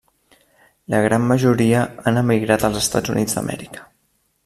La gran majoria han emigrat als Estats Units d'Amèrica.